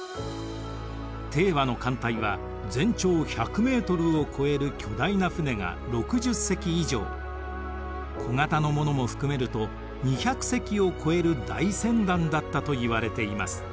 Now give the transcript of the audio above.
和の艦隊は全長１００ｍを超える巨大な船が６０隻以上小型のものも含めると２００隻を超える大船団だったといわれています。